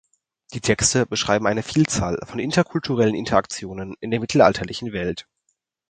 Die Texte beschreiben eine Vielzahl von interkulturellen Interaktionen in der mittelalterlichen Welt.